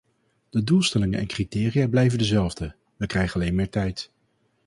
De doelstellingen en criteria blijven dezelfde; we krijgen alleen meer tijd.